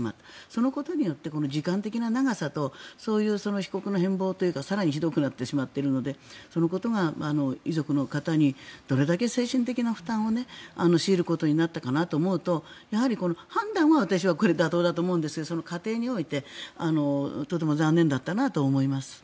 そのことによって時間的な長さとそういう被告の変ぼうというか更にひどくなってしまっているのでそのことが遺族の方にどれだけ精神的な負担を強いることになったかなと思うとやはり判断は私は妥当だと思うんですがその過程においてとても残念だったなと思います。